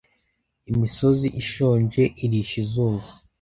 Imisozi ishonje irisha izuba,